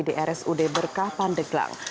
di rsud berkah pandeglang